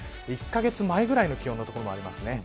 １カ月前ぐらいの気温の所もあります。